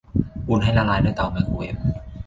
อุ่นให้ละลายด้วยเตาไมโครเวฟ